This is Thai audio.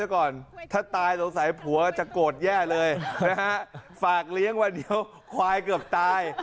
โกรธแย่เลยฝากเลี้ยงวันเดียวควายเกือบตาย